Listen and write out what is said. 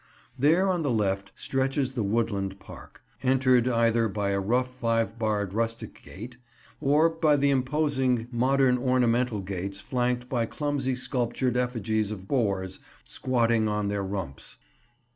There, on the left, stretches the woodland park, entered either by a rough five barred rustic gate, or by the imposing modern ornamental gates flanked by clumsy sculptured effigies of boars squatting on their rumps.